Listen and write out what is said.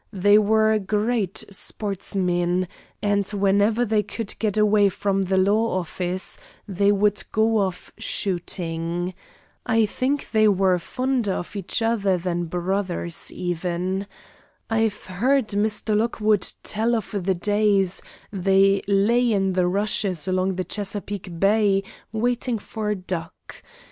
They were great sportsmen, and whenever they could get away from the law office they would go off shooting. I think they were fonder of each other than brothers even. I've heard Mr. Lockwood tell of the days they lay in the rushes along the Chesapeake Bay waiting for duck.